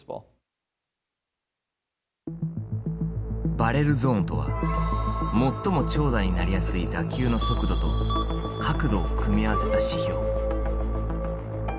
バレルゾーンとは最も長打になりやすい打球の速度と角度を組み合わせた指標。